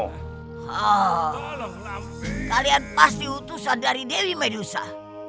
oh kalian pasti hutusan dari dewi medusa